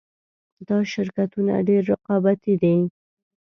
دا شرکتونه ډېر رقابتي دي